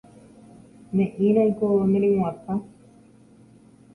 Ne'írãiko neryguatã.